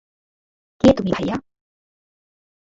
কে তুমি ভাইয়া?